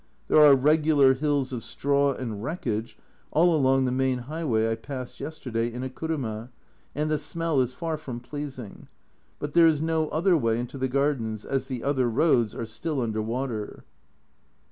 There are regular hills of straw and wreckage all along the main highway I passed yesterday in a kuruma and the smell is far from pleasing, but there is no other way into the gardens, as the other roads are still under water.